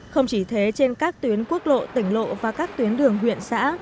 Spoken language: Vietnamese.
không chỉ thế trên các tuyến quốc lộ tỉnh lộ và các tuyến đường huyện xã